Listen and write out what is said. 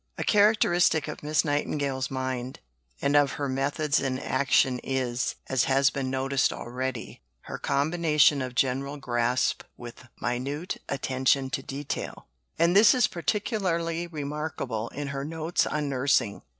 A characteristic of Miss Nightingale's mind, and of her methods in action is, as has been noticed already, her combination of general grasp with minute attention to detail, and this is particularly remarkable in her Notes on Nursing.